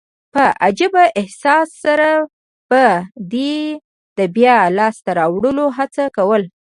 په عجبه احساس سره به دي يي د بیا لاسته راوړلو هڅه کول.